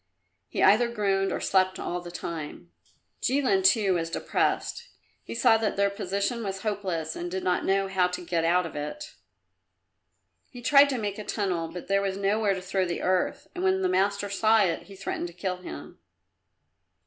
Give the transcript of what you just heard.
He either groaned or slept all the time. Jilin, too, was depressed; he saw that their position was hopeless and did not know how to get out of it. He tried to make a tunnel but there was nowhere to throw the earth, and when the master saw it, he threatened to kill him.